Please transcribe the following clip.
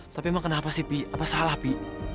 tapi emang kenapa sih pi apa salah pi